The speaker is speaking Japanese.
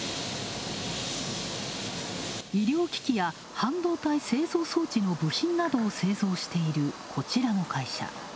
医療機器や半導体製造装置の部品などを製造している、こちらの会社。